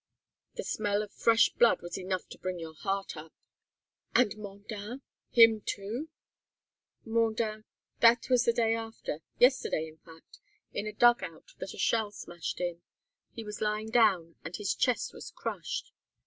The smell of fresh blood was enough to bring your heart up." "And Mondain him, too?" "Mondain that was the day after, yesterday in fact, in a dug out that a shell smashed in. He was lying down, and his chest was crushed.